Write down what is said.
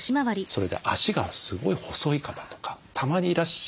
それで脚がすごい細い方とかたまにいらっしゃると思うんですよね。